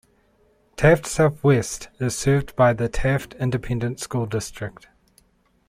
Taft Southwest is served by the Taft Independent School District.